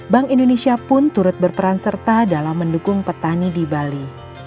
bank indonesia pun turut berperan serta dalam mendukung petani di bali